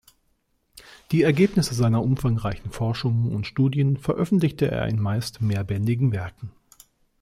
Die Ergebnisse seiner umfangreichen Forschungen und Studien veröffentlichte er in meist mehrbändigen Werken.